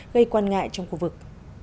gây quan ngại trong khu vực